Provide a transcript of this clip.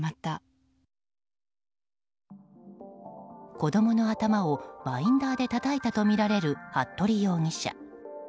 子供の頭をバインダーでたたいたとみられる服部容疑者。